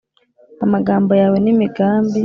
Amagambo yawe n'imigambi